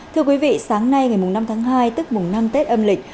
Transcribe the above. thưa quý vị sáng nay ngày năm tháng hai tức mùng năm tết âm lịch